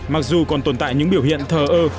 mặc dù còn tồn tại những biểu hiện thờ ơ